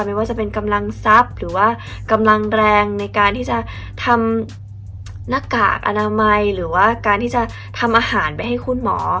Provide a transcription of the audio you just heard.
ไม่ว่าจะเป็นกำลังทรัพย์หรือว่ากำลังแรงในการที่จะทำหน้ากากอนามัยหรือว่าการที่จะทำอาหารไปให้คุณหมอ